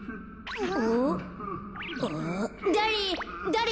・だれ？